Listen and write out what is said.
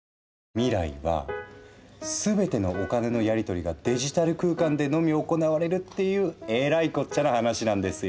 未来は全てのお金のやりとりがデジタル空間でのみ行われるっていうえらいこっちゃな話なんですよ。